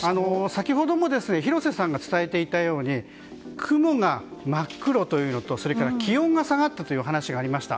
先ほども広瀬さんが伝えていたように雲が真っ黒というのと気温が下がったという話がありました。